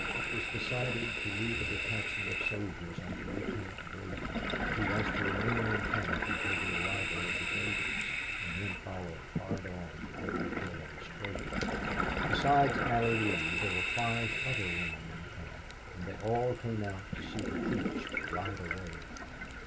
It was decided to leave a detachment of soldiers under Lieutenant Brady, who was to remain in camp until the arrival of the graders, and then follow hard on Colonel Dillon's trail. Besides Allie Lee there were five other women in camp, and they all came out to see the troops ride away.